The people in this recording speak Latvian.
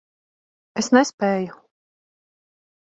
Es nespēju.